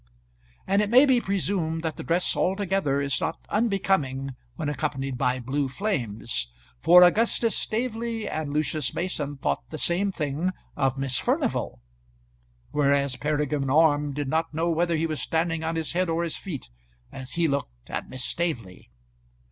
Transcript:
And it may be presumed that the dress altogether is not unbecoming when accompanied by blue flames, for Augustus Staveley and Lucius Mason thought the same thing of Miss Furnival, whereas Peregrine Orme did not know whether he was standing on his head or his feet as he looked at Miss Staveley.